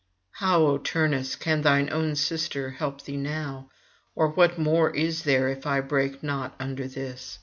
'How, O Turnus, can thine own sister help thee now? or what more is there if I break not under this?